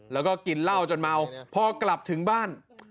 แล้วก็กินเหล้าจนเมาพอกลับถึงบ้าน